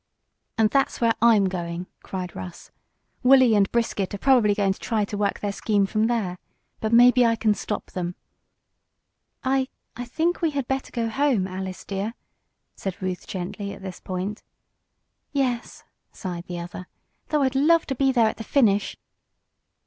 "And there's where I'm going!" cried Russ. "Wolley and Brisket are probably going to try to work their scheme from there. But maybe I can stop them." "I I think we had better go home, Alice dear," said Ruth gently, at this point. "Yes," sighed the other, "though I'd love to be there at the finish!"